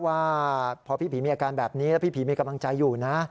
ว่าพอพี่ผีมีอาการแบบนี้แล้วพี่ผีมีกำลังใจอยู่นะ